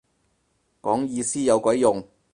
講意思有鬼用